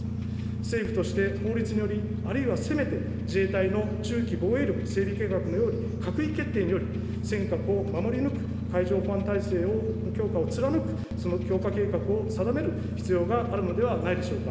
政府として法律により、あるいはせめて、自衛隊の中期防衛力整備計画のように、閣議決定により、尖閣を守り抜く海上保安体制を強化を貫くその強化計画を定める必要があるのではないでしょうか。